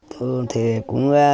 thường thì cũng là